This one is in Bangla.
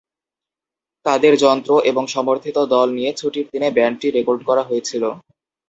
তাদের যন্ত্র এবং সমর্থিত দল নিয়ে ছুটির দিনে ব্যান্ডটি রেকর্ড করা হয়েছিল।